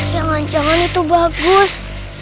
jangan jangan itu bagus